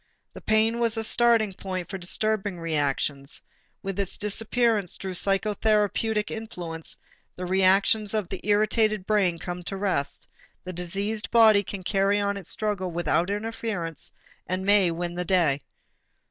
The pain was a starting point for disturbing reactions; with its disappearance through psychotherapeutic influence, the reactions of the irritated brain come to rest, the diseased body can carry on its struggle without interference and may win the day.